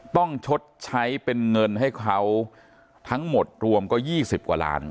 ชดใช้เป็นเงินให้เขาทั้งหมดรวมก็๒๐กว่าล้าน